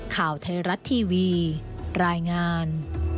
ข่าวไทยรัฐทีวีรายงาน